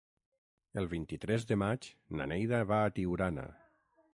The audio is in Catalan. El vint-i-tres de maig na Neida va a Tiurana.